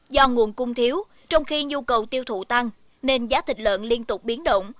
do nguồn cung thiếu trong khi nhu cầu tiêu thụ tăng nên giá thịt lợn liên tục biến động